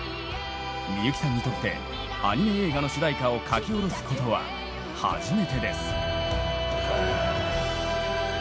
みゆきさんにとってアニメ映画の主題歌を書き下ろすことは初めてです。